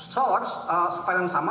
source file yang sama